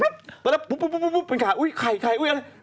ตอนนั้นปุ๊บเป็นไข่อะไร